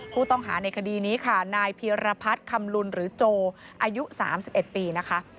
ผู้ต้องหาในคดีนี้ค่ะนายเพียรพัฒน์คำลุนหรือโจอายุ๓๑ปีนะคะ